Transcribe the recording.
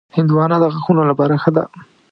هندوانه د غاښونو لپاره ښه ده.